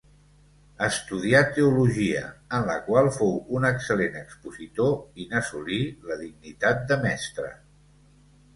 Estudià teologia, en la qual fou un excel·lent expositor i n'assolí la dignitat de mestre.